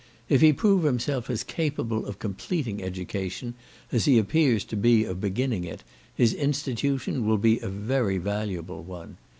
If he prove himself as capable of completing education, as he appears to be of beginning it, his institution will be a very valuable one.